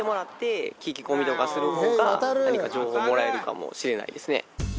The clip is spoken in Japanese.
何か情報をもらえるかもしれないですね。